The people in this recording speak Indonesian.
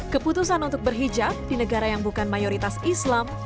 keputusan untuk berhijab di negara yang bukan mayoritas islam